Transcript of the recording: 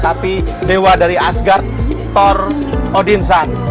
tapi dewa dari asgard thor odinssan